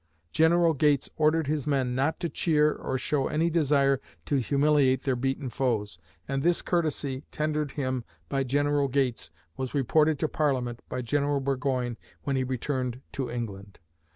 General Gates ordered his men not to cheer or show any desire to humiliate their beaten foes, and this courtesy tendered him by General Gates was reported to Parliament by General Burgoyne when he returned to England.